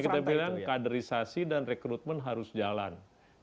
makanya kita pikirkan kaderisasi dan rekrutmen harus jalan